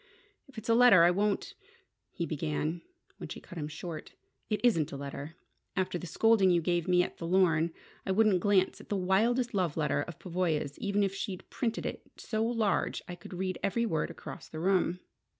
"If it's a letter, I won't " he had begun when she cut him short. "It isn't a letter! After the scolding you gave me at the Lorne, I wouldn't glance at the wildest love letter of Pavoya's even if she'd printed it so large I could read every word across the room."